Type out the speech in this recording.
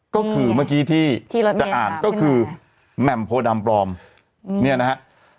ก็คือเมื่อกี้ที่จะอ่านก็คือแหม่มโพดำปลอมเนี่ยนะฮะ